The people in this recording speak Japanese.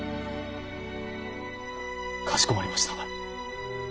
かしこまりました。